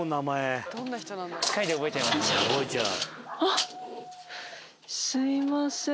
あっすいません。